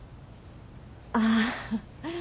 ああ。